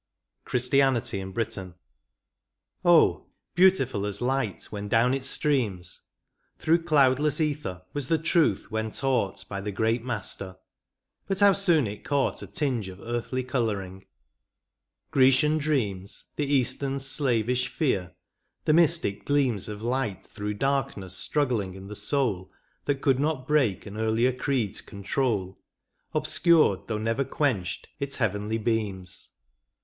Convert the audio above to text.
18 VI. CHRISTIANITY IN BRITAIN. Oh ! beautiful as light when down it streams Through cloudless ether, was the truth when taught By the Great Master ; but how soon it caught A tinge of earthly colouring ; Grecian dreams, The Eastern's slavish fear, the mystic gleams Of light through darkness struggling in the soul That could not break an earlier creed's control. Obscured, though never quenched, its heavenly beams.